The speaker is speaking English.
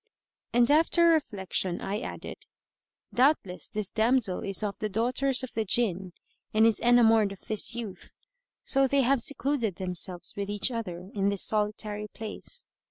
And after reflection I added, "Doubtless this damsel is of the daughters of the Jinn and is enamoured of this youth; so they have secluded themselves with each other in this solitary place."